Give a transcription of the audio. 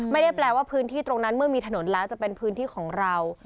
ไม่ได้แปลว่าพื้นที่ตรงนั้นเมื่อมีถนนแล้วจะเป็นพื้นที่ของเรา